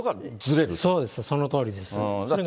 そのとおりです。